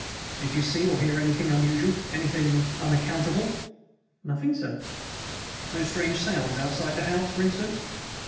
"Did you see or hear anything unusual anything unaccountable?" "Nothing, sir." "No strange sounds outside the house, for instance?"